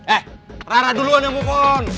eh rara duluan yang pohon